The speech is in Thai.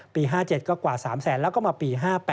๕๗ก็กว่า๓แสนแล้วก็มาปี๕๘